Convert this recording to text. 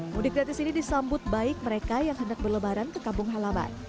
mudik gratis ini disambut baik mereka yang hendak berlebaran ke kampung halaman